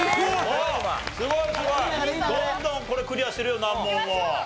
どんどんこれクリアしてるよ難問を。